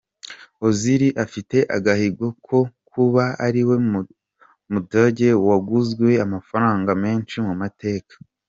Ozil afite agahigo ko kuba ariwe mudage waguzwe amafaranga menshi mu mateka.